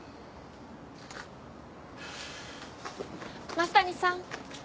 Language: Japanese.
・増谷さん。